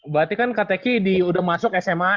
berarti kan kak teki udah masuk sma